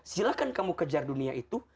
silahkan kamu kejar dunia itu